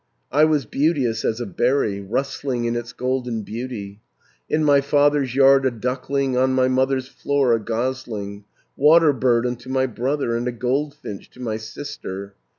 I was beauteous as a berry, Rustling in its golden beauty; In my father's yard a duckling, On my mother's floor a gosling, Water bird unto my brother, And a goldfinch to my sister.